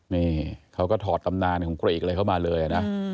นี่เขาก็ถอดตำนานของกรีกอะไรเข้ามาเลยนะ